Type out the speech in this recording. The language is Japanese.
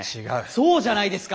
そうじゃないですか。